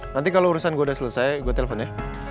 nanti kalau urusan gue udah selesai gue telepon ya